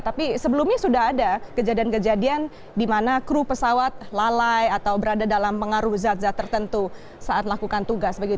tapi sebelumnya sudah ada kejadian kejadian di mana kru pesawat lalai atau berada dalam pengaruh zat zat tertentu saat melakukan tugas